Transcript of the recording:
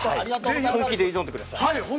◆本気で挑んでください。